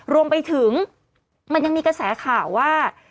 รวมไปถึงมันยังมีกระแสข่าวว่า